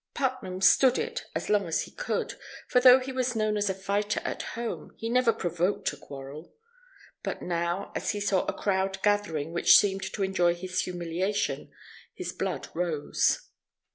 Putnam stood it as long as he could, for though he was known as a fighter at home, he never provoked a quarrel. But now, as he saw a crowd gathering which seemed to enjoy his humiliation, his blood rose.